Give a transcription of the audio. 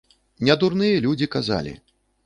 Не дурныя людзі казалі.